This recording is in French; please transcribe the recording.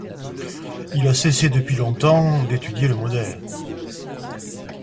Il a cessé depuis longtemps d'étudier le modèle.